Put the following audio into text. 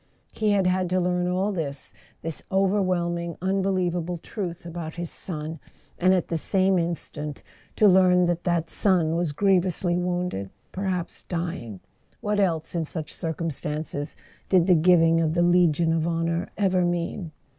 He had had to learn all this, this overwhelming unbelievable truth about his son; and at the same instant to learn that that son was griev¬ ously wounded, perhaps dying (what else, in such cir¬ cumstances, did the giving of the Legion of Honour ever mean